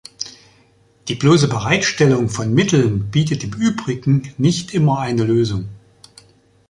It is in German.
Die bloße Bereitstellung von Mitteln bietet im Übrigen nicht immer eine Lösung.